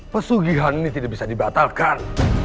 pesugihan ini tidak bisa dibatalkan